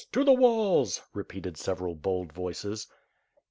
To the walls!" repeated several bold voices.